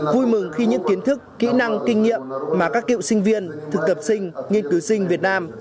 vui mừng khi những kiến thức kỹ năng kinh nghiệm mà các cựu sinh viên thực tập sinh nghiên cứu sinh việt nam